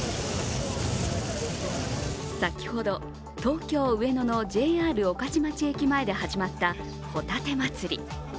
先ほど、東京・上野のＪＲ御徒町駅前で始まったホタテ祭り。